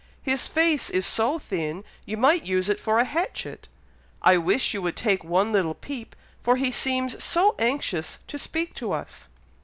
His face is so thin you might use it for a hatchet. I wish you would take one little peep, for he seems so anxious to speak to us."